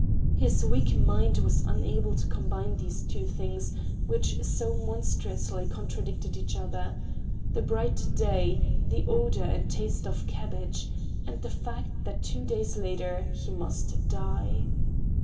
His weak mind was unable to combine these two things which so monstrously contradicted each other—the bright day, the odor and taste of cabbage—and the fact that two days later he must die.